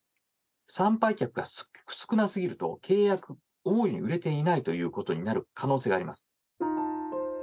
参拝客が少なすぎると契約が大いに売れてないという可能性があります。